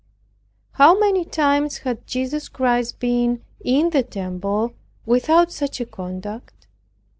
How many times had Jesus Christ been in the temple without such a conduct?